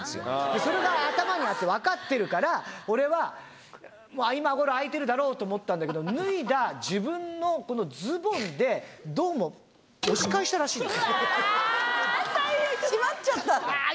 それが頭にあって、分かってるから、俺は、もう、今ごろ開いてるだろうと思ったんだけど、脱いだ自分のこのズボンで、どうも押し返したらしいんです。